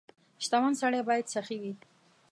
• شتمن سړی باید سخي وي.